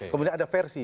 kemudian ada versi